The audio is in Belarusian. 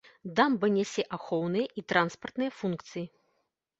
Дамба нясе ахоўныя і транспартныя функцыі.